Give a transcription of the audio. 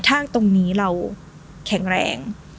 ถ้าตรงนี้เราแข็งแรง